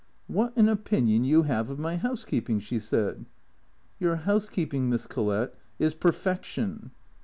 " What an opinion you have of my housekeeping," she said. "Your housekeeping, Miss Collett, is perfection."